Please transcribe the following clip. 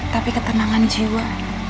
tapi ketenangan jiwa